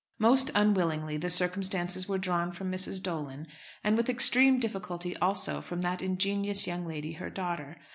Most unwillingly the circumstances were drawn from Mrs. Dolan, and with extreme difficulty also from that ingenious young lady her daughter.